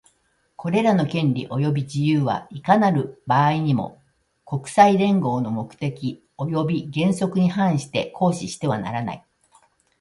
これらの権利及び自由は、いかなる場合にも、国際連合の目的及び原則に反して行使してはならない。